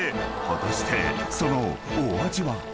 ［果たしてそのお味は？］